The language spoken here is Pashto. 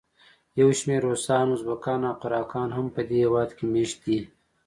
یو شمېر روسان، ازبکان او قراقان هم په دې هېواد کې مېشت دي.